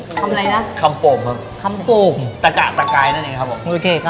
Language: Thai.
ทำอะไรนะคำโป่งครับคำโป่งตะกะตะกายนั่นเองครับผมโอเคครับ